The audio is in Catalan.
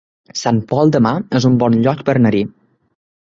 Sant Pol de Mar es un bon lloc per anar-hi